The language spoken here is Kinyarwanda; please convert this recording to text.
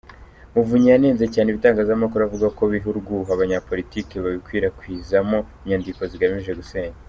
Muvunyi yanenze cyane ibitangazamakuru avuga ko biha urwuho abanyapolitike babikwirakwizamo inyandiko zgamije gusenya.